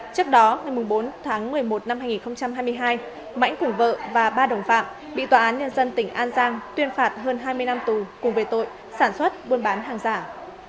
trước đó ngày bốn tháng một mươi một năm hai nghìn hai mươi hai mãnh cùng vợ và ba đồng phạm bị tòa án nhân dân tỉnh an giang tuyên phạt hơn hai mươi năm tù cùng về tội sản xuất buôn bán hàng giả